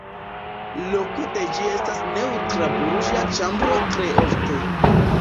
Loko de ĝi estas neŭtra burĝa ĉambro tre ofte.